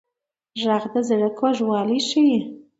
غږ د زړه کوږوالی ښيي